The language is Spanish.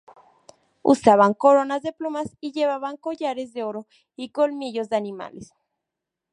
Usaban coronas de plumas y llevaban collares de oro y colmillos de animales.